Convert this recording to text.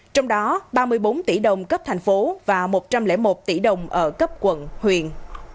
trong đó ba mươi bốn tỷ đồng cấp thành phố và một trăm linh một tỷ đồng ở cấp quận huyện